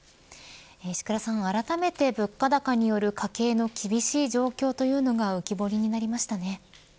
石倉さん、あらためて物価高による家計の厳しい状況というのが浮き彫りになりましたね。